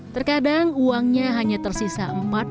terkadang uangnya hanya tersisa empat